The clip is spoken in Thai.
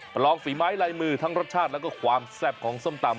ประลองฝีไม้ลายมือทั้งรสชาติแล้วก็ความแซ่บของส้มตำ